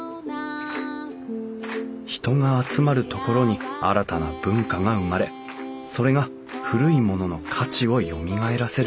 人が集まる所に新たな文化が生まれそれが古いものの価値をよみがえらせる。